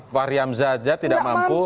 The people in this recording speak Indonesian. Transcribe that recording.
fahri hamzah tidak mampu